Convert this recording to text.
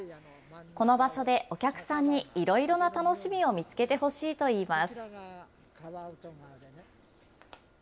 この場所でお客さんにいろいろな楽しみを見つけてほしいといいます。